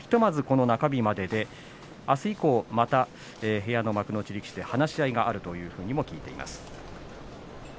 中日までであす以降もまた部屋の幕内力士で話し合いがあるということも聞いています。